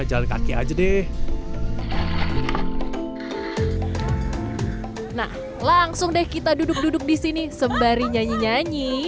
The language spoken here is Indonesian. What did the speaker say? jalan kaki aja deh nah langsung deh kita duduk duduk di sini sembari nyanyi nyanyi